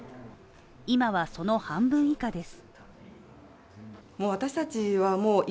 今はその半分以下です。